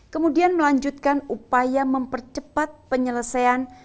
kemudian melanjutkan upaya mempercepat penyelesaian